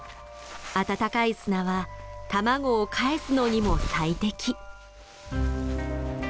温かい砂は卵をかえすのにも最適。